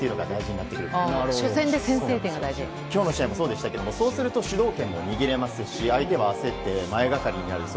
今日の試合もそうでしたがそうすると主導権を握れますし相手は焦って前がかりになる。